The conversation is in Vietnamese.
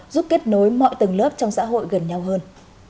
giúp kết nối mọi tầng lớp trong xã hội gần nhau hơn